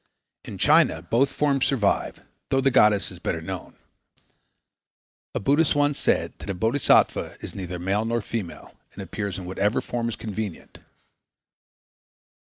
In China both forms survive, though the goddess is better known. A Buddhist once said that a Bodhisattva is neither male nor female and appears in whatever form is convenient.